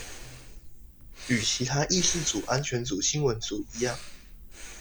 與其他的議事組安全組新聞組一樣